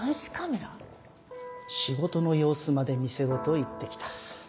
仕事の様子まで見せろと言ってきた。